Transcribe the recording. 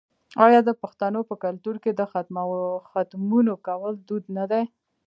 آیا د پښتنو په کلتور کې د ختمونو کول دود نه دی؟